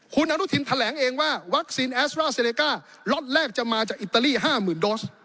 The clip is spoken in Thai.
คุณอนุทินแถลงเองว่าวัคซีนแอสตราเซเลก้าล็อตแรกจะมาจากอิตาลี๕๐๐๐โดส